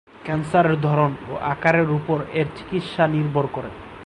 ক্যান্সারের ধরন ও আকারের উপর এর চিকিৎসা নির্ভর করে।